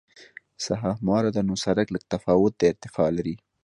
ساحه همواره ده نو سرک لږ تفاوت د ارتفاع لري